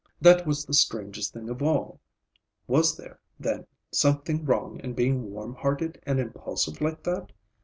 That was the strangest thing of all. Was there, then, something wrong in being warm hearted and impulsive like that?